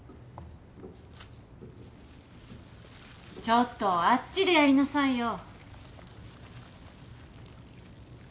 ちょっとあっちでやりなさいよ。